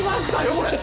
これ。